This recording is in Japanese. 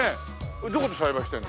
どこで栽培してるの？